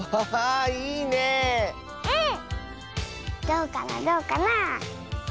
どうかなどうかな？